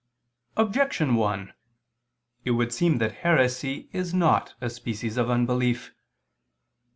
Objection 1: It would seem that heresy is not a species of unbelief.